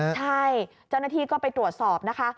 ใช่เจ้าหน้าที่ก็ไปตรวจสอบนะคะ